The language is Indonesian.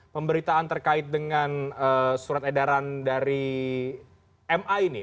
pemberitaan terkait dengan surat edaran dari ma ini